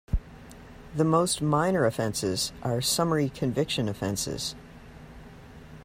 The most minor offences are summary conviction offences.